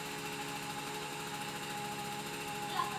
Aunque Bree trató de que lo devolviera, Andrew se negó.